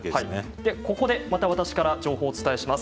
ここで私から情報をお伝えします。